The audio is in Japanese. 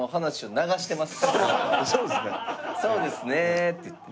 そうですねって。